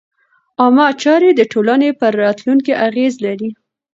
عامه چارې د ټولنې پر راتلونکي اغېز لري.